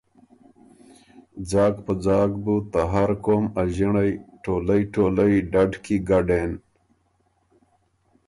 ځاک په ځاک بُو ته هر قوم ا ݫِنړئ ټولئ ټولئ ډډ کی ګډېن۔